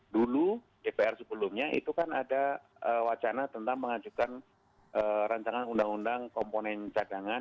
dulu dpr sebelumnya itu kan ada wacana tentang mengajukan rancangan undang undang komponen cadangan